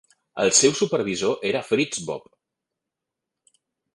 El seu supervisor era Fritz Bopp.